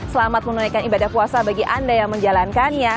selamat menunaikan ibadah puasa bagi anda yang menjalankannya